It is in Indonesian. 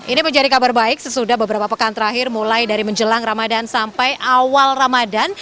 ini menjadi kabar baik sesudah beberapa pekan terakhir mulai dari menjelang ramadan sampai awal ramadan